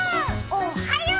おっはよう！